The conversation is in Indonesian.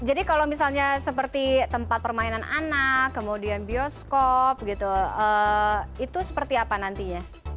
jadi kalau misalnya seperti tempat permainan anak kemudian bioskop itu seperti apa nantinya